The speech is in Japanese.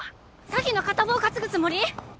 詐欺の片棒担ぐつもり？